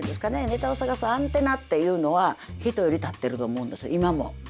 ネタを探すアンテナっていうのは人より立ってると思うんです今も。